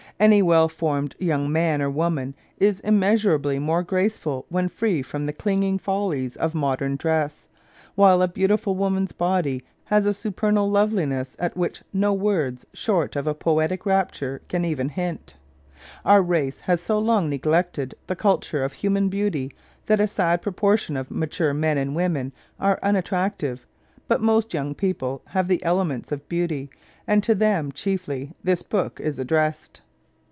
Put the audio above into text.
Any well formed young man or woman is immeasurably more graceful when free from the clinging follies of modern dress, while a beautiful woman's body has a supernal loveliness at which no words short of a poetic rapture can even hint. Our race has so long neglected the culture of human beauty that a sad proportion of mature men and women are unattractive; but most young people have the elements of beauty, and to them chiefly this book is addressed.